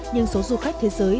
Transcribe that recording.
nhưng số du khách thế giới